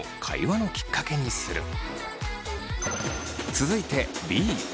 続いてＢ。